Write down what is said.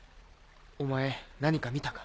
お前何か見たか？